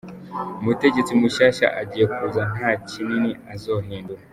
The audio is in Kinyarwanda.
Umutegetsi mushasha agiye kuza nta kinini azohindura.